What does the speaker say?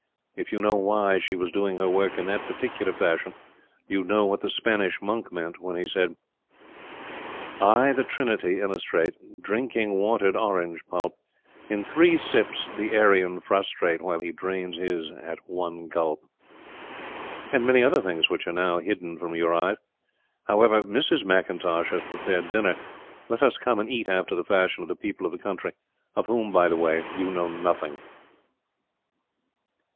If you knew why she was doing her work in that particular fashion, you would know what the Spanish Monk meant when he said 'I the Trinity illustrate, Drinking watered orange pulp In three sips the Aryan frustrate, While he drains his at one gulp. ' and many other things which now are hidden from your eyes. However, Mrs. McIntosh has prepared dinner. Let us come and eat after the fashion of the people of the country of whom, by the way, you know nothing."